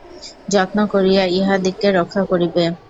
যত্ন করিয়া ইহাদিগকে রক্ষা করিবে।